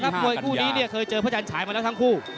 สมกล้องครับมวยคู่นี้เนี่ยเคยเจอพระจันทรายมาแล้วทั้งคู่